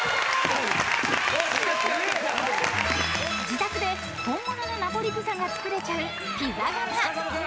［自宅で本物のナポリピザが作れちゃうピザ窯］